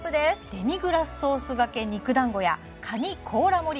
デミグラスソース掛け肉団子やカニ甲羅盛り